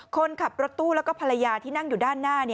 คนขับรถตู้แล้วก็ภรรยาที่นั่งอยู่ด้านหน้า